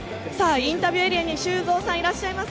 インタビューエリアに修造さん、いらっしゃいます。